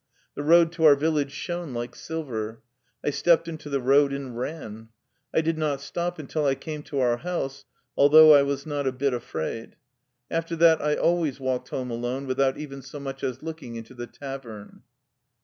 The road to our village shone like silver. I stepped into the road, and ran. I did not stop until I came to our house, although I was not a bit afraid. After that I always walked home alone, without even so much as looking into the tavern.